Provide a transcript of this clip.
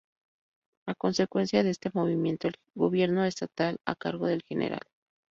A consecuencia de este movimiento, el gobierno estatal, a cargo del Gral.